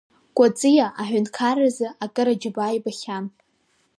Кәаҵиа аҳәынҭқарразы кыр аџьабаа ибахьан.